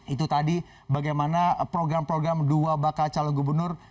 itu tadi bagaimana program program dua bakal calon gubernur